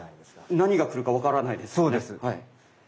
何が来るか分からないですよね？